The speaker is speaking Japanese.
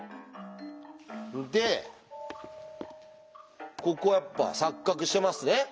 でここやっぱ錯角してますね？